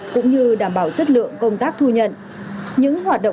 cũng như đảm bảo chất lượng công tác thu nhận